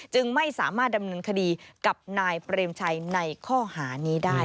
จึงไม่สามารถดำเนินคดีกับนายเปรมชัยในข้อหานี้ได้